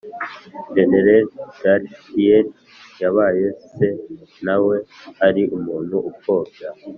jenerali dallaire yaba se na we ari umuntu upfobya